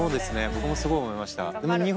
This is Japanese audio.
僕もすごい思いました。